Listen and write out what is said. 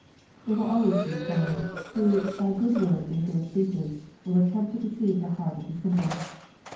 There will always be some, who " by good words and fair speeches," will attempt to deceive the heart of the simple.